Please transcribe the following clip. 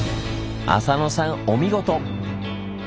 浅野さんお見事！